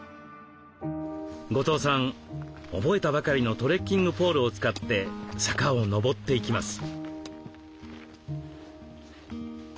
後藤さん覚えたばかりのトレッキングポールを使って坂をのぼっていきます。